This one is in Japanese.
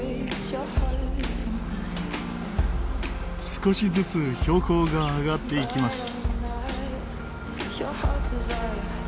少しずつ標高が上がっていきます。